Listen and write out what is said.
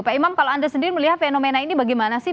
pak imam kalau anda sendiri melihat fenomena ini bagaimana sih